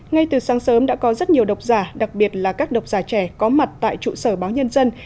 ngay từ sáng sớm đã có rất nhiều độc giả đặc biệt là các độc giả trẻ có mặt tại trụ sở báo nhân dân